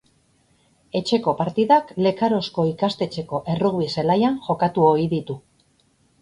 Etxeko partidak Lekarozko ikastetxeko errugbi zelaian jokatu ohi ditu.